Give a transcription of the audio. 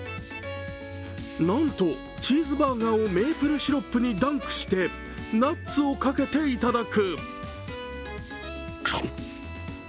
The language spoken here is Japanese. なんとチーズバーガーをメープルシロップにダンクしてナッツをかけて頂く。